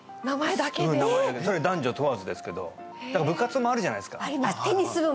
名前だけ男女問わずですけどだから部活もあるじゃないですかあります